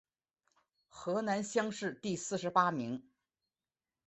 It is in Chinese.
河南乡试第四十八名。